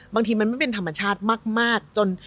บางทีมันไม่เป็นธรรมชาติมากจน